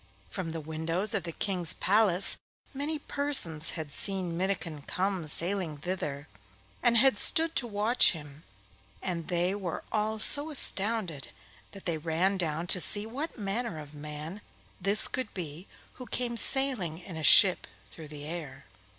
From the windows of the King's palace many persons had seen Minnikin come sailing thither, and had stood to watch him; and they were all so astounded that they ran down to see what manner of man this could be who came sailing in a ship through the air.